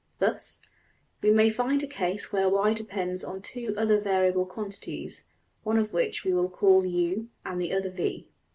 Thus, we may find a case where $y$ depends on two other variable quantities, one of which we will call $u$ and the other~$v$.